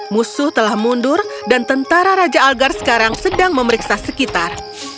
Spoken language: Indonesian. musuh telah mundur dan tentara raja algar sekarang sedang memeriksa sekitar